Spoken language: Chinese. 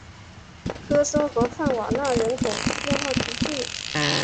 科松河畔瓦讷人口变化图示